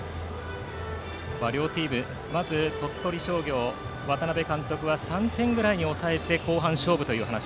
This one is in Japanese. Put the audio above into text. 両チーム鳥取商業の渡辺監督は３点ぐらいに抑えて後半勝負という話。